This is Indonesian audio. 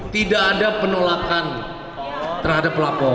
tidak ada penolakan terhadap pelapor